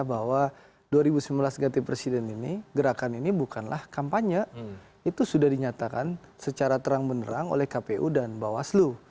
bahwa dua ribu sembilan belas ganti presiden ini gerakan ini bukanlah kampanye itu sudah dinyatakan secara terang benerang oleh kpu dan bawaslu